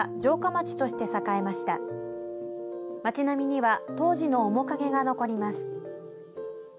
街並みには当時の面影が残ります。